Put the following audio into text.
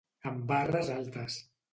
Amb barres altes.